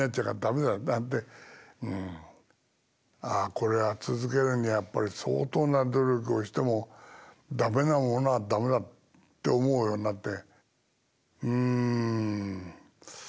これは続けるにはやっぱり相当な努力をしても駄目なものは駄目だって思うようになって。